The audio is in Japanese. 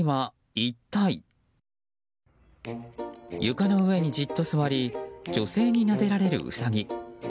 床の上にじっと座り女性になでられるウサギ。